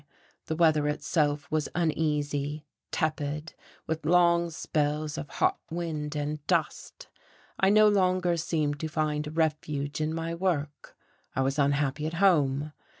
The weather itself was uneasy, tepid, with long spells of hot wind and dust. I no longer seemed to find refuge in my work. I was unhappy at home.